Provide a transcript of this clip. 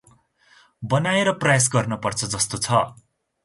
बनाएर प्रयास गर्न पर्छ जस्तो छ ।